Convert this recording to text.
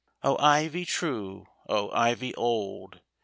O, Ivy true, O, Ivy old.